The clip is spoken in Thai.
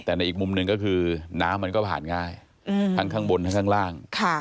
แต่ในอีกมุมหนึ่งก็คือน้ำมันก็ผ่านง่ายทั้งข้างบนทั้งข้างล่าง